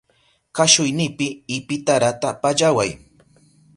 Kashuynipi ipitarata pallaway.